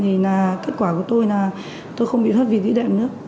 thì kết quả của tôi là tôi không bị thắp vị dĩ đẹp nữa